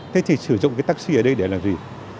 thế thì sử dụng cái taxi ở đây để là gì